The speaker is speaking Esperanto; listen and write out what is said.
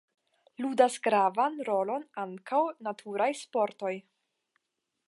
Ludas gravan rolon ankaŭ la naturaj sportoj.